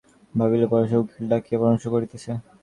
ভাবিল হয়তো উকিল ডাকিয়া পরামর্শ করিতেছে।